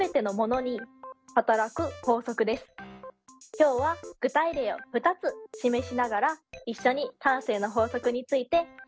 今日は具体例を２つ示しながら一緒に慣性の法則について考えていきましょう。